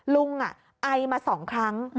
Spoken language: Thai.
ลุงอ่ะไอมาสองครั้ง